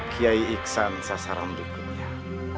kiai iksan sasarandu kunyah